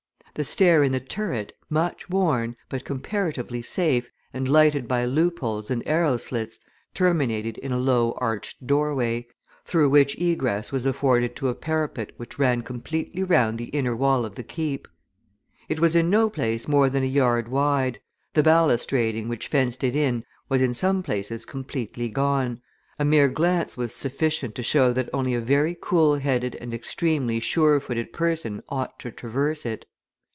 The stair in the turret, much worn, but comparatively safe, and lighted by loopholes and arrow slits, terminated in a low arched doorway, through which egress was afforded to a parapet which ran completely round the inner wall of the Keep. It was in no place more than a yard wide; the balustrading which fenced it in was in some places completely gone, a mere glance was sufficient to show that only a very cool headed and extremely sure footed person ought to traverse it.